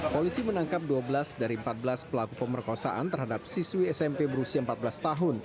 polisi menangkap dua belas dari empat belas pelaku pemerkosaan terhadap siswi smp berusia empat belas tahun